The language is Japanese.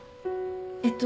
えっと